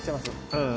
うん。